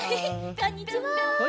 こんにちは。